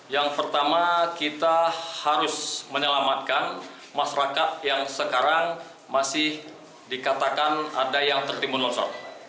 yang pertama kita harus menyelamatkan masyarakat yang sekarang masih dikatakan ada yang tertimbun longsor